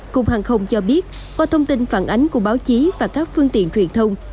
cục hàng không cho biết qua thông tin phản ánh của báo chí và các phương tiện truyền thông